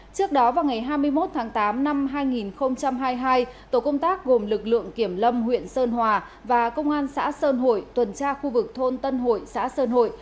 trước đó vào ngày hai mươi một tháng tám năm hai nghìn hai mươi hai tổ công tác gồm lực lượng kiểm lâm huyện sơn hòa và công an xã sơn hội tuần tra khu vực thôn tân hội xã sơn hội